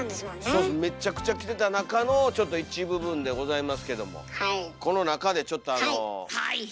そうですめっちゃくちゃ来てた中のちょっと一部分でございますけどもこの中でちょっとあのグランプリを。